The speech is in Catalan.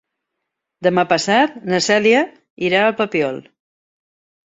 Demà passat na Cèlia irà al Papiol.